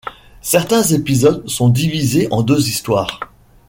Certains épisodes sont divisés en deux histoires.